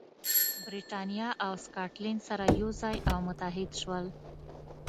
برېټانیا او سکاټلند سره یو ځای او متحد شول.